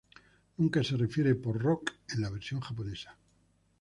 Nunca se refiere por Rock en la versión japonesa.